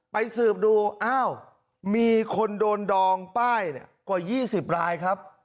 ไปสืบดูอ้าวมีคนโดนดองป้ายกว่า๒๐รายครับ